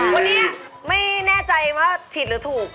วันนี้ไม่แน่ใจว่าผิดหรือถูก